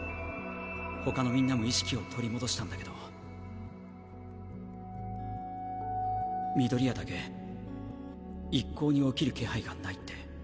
他の皆も意識を取り戻したんだけど緑谷だけ一向に起きる気配